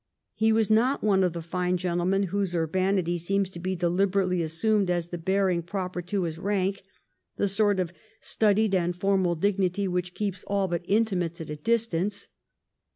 He was not one of the fine gentlemen whose urbanity seems to be deliberately assumed as the bearing proper to his rank, the sort of studied and formal dignity which keeps all but intimates at a distance.